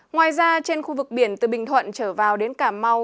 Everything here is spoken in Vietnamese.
ngoài ra trên khu vực biển từ bình thuận trở vào đến cà mau